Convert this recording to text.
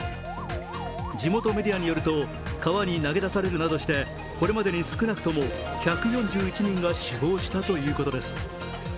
地元メディアによると川に投げ出されるなどしてこれまでに少なくとも１４１人が死亡したということです。